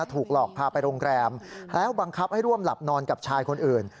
ถูกหลอกพาไปโรงแรมแล้วบังคับให้ร่วมหลับนอนกับชายคนอื่น